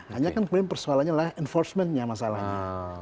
hanya kan kemudian persoalannya lah enforcementnya masalahnya